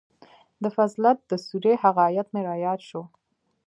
د فصلت د سورې هغه ايت مې راياد سو.